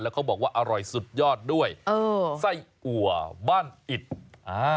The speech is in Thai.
เขาบอกว่าอร่อยสุดยอดด้วยเออไส้อัวบ้านอิดอ่า